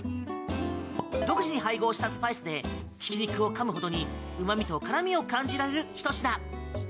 独自配合したスパイスでひき肉をかむほどにうま味と辛味を感じられる１品。